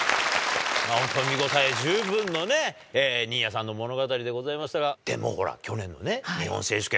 本当、見応え十分のね、新谷さんの物語でございましたが、でもほら、去年の日本選手権。